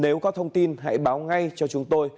nếu có thông tin hãy báo ngay cho chúng tôi